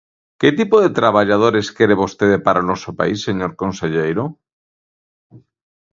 ¿Que tipo de traballadores quere vostede para o noso país, señor conselleiro?